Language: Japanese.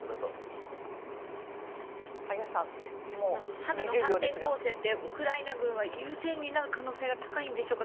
春の反転攻勢ってウクライナ軍は優勢になる可能性は高いんでしょうか。